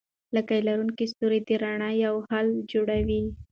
لکۍ لرونکي ستوري د رڼا یوه هاله جوړوي.